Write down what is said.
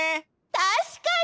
たしかに！